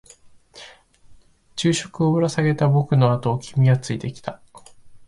昼食をぶら下げた僕のあとを君はついてきた。